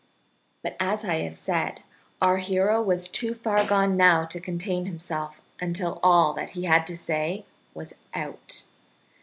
But, as I have said, our hero was too far gone now to contain himself until all that he had to say was out.